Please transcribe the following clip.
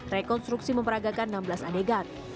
rekonstruksi memperagakan enam belas adegan